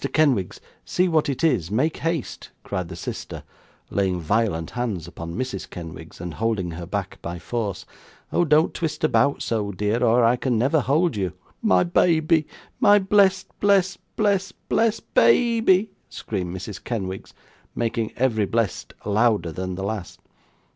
Kenwigs, see what it is; make haste!' cried the sister, laying violent hands upon Mrs. Kenwigs, and holding her back by force. 'Oh don't twist about so, dear, or I can never hold you.' 'My baby, my blessed, blessed, blessed, blessed baby!' screamed Mrs Kenwigs, making every blessed louder than the last.